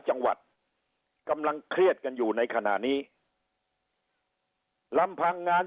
จังหวัดกำลังเครียดกันอยู่ในขณะนี้ลำพังงาน